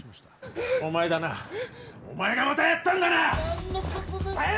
お前だな、お前がまたやったんだな！